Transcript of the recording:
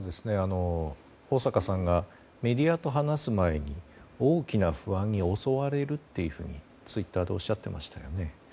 大坂さんがメディアと話す前に大きな不安に襲われるとツイッターでおっしゃっていましたよね。